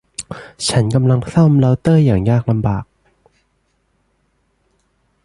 ฉันกำลังซ่อมเร้าเตอร์อย่างยากลำบาก